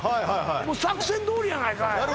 もう作戦どおりやないかい